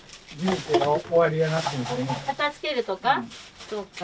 片づけるとか？